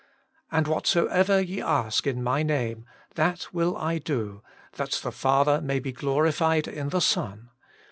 And whatsoever ye shall ask in My name, that will I do, that the Father may be glori fied in the Son.